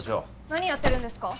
何やってるんですか？